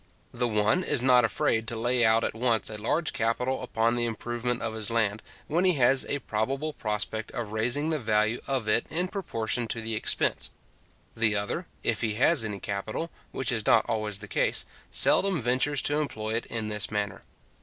The one is not afraid to lay out at once a large capital upon the improvement of his land, when he has a probable prospect of raising the value of it in proportion to the expense; the other, if he has any capital, which is not always the case, seldom ventures to employ it in this manner.